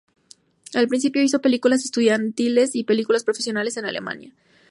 Al principio hizo películas estudiantiles y películas profesionales en Alemania.